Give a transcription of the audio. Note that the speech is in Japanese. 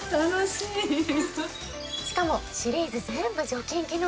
しかもシリーズ全部除菌機能付き。